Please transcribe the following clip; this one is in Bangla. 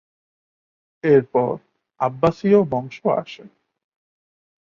তার পর আব্বাসীয় বংশ আসে।